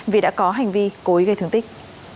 vì đã có hành vi cối gây thương tích